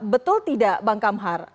betul tidak bang kamhar